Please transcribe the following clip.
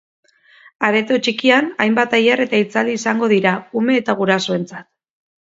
Areto txikian, hainbat tailer eta hitzaldi izango dira, ume eta gurasoentzat.